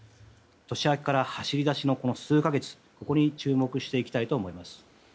年明けから走り出しの数か月に注目していきたいと思います。